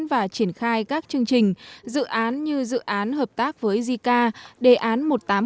và triển khai các chương trình dự án như dự án hợp tác với zika đề án một nghìn tám trăm một mươi sáu